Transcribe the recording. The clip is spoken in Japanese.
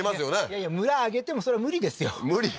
いやいや村挙げてもそれは無理ですよ無理？